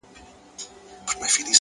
پوه انسان د پوهېدو تنده نه بایلي.!